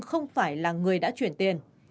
không phải là người đã truyền tiền